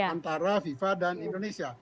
antara viva dan indonesia